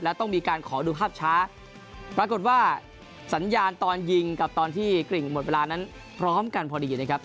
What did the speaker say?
แล้วต้องมีการขอดูภาพช้าปรากฏว่าสัญญาณตอนยิงกับตอนที่กริ่งหมดเวลานั้นพร้อมกันพอดีนะครับ